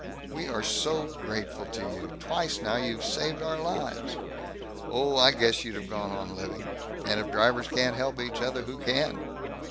"We are so grateful to you! Twice now you've saved our lives." "Oh, I guess you'd have gone on living! And if drivers can't help each other, who can?"